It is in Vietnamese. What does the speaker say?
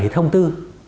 bảy thông tư